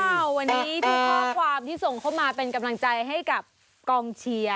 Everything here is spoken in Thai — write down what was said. วันนี้ทุกข้อความที่ส่งเข้ามาเป็นกำลังใจให้กับกองเชียร์